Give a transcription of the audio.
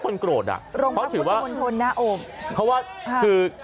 ลงทางผู้ชมศูนย์คนน่าโอบเพราะว่าคือ